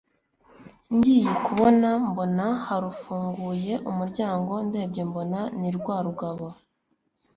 ngiye kubona mbona harufunguye umuryango ndebye mbona ni rwa rugabo